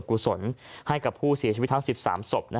กุศลให้กับผู้เสียชีวิตทั้ง๑๓ศพ